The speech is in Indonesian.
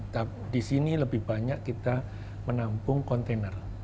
tapi di sini lebih banyak kita menampung kontainer